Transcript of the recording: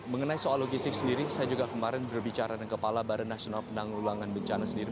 mengenai soal logistik sendiri saya juga kemarin berbicara dengan kepala badan nasional penanggulangan bencana sendiri